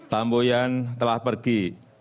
lampuian telah pergi